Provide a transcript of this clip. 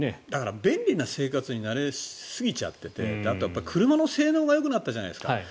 便利な生活に慣れすぎちゃっていてあとは、やっぱり車の性能がよくなったじゃないですか。